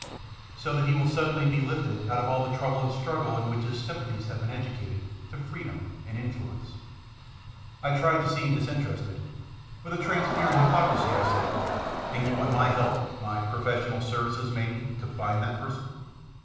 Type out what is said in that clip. So that he will suddenly be lifted out of all the trouble and struggle in which his sympathies have been educated, to freedom and influence." I tried to seem disinterested. With a transparent hypocrisy, I said, " And you want my help, my pro fessional services, maybe, to find that person."